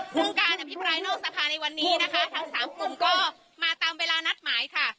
ซึ่งการอภิปรายนอกสภาในวันนี้นะคะทั้งสามกลุ่มก็มาตามเวลานัดหมายค่ะ